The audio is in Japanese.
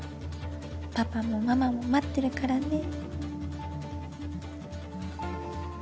パパもママも待ってるからね。